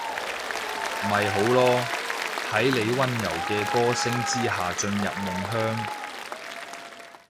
咪好囉，喺你溫柔嘅歌聲之下進入夢鄉